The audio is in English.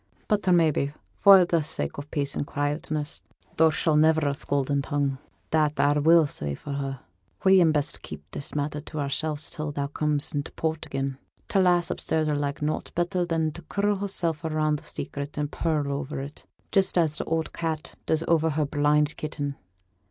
But may be, for t' sake o' peace an' quietness tho' she's niver a scolding tongue, that a will say for her we'n best keep this matter to ourselves till thou comes int' port again. T' lass upstairs 'll like nought better than t' curl hersel' round a secret, and purr o'er it, just as t' oud cat does o'er her blind kitten.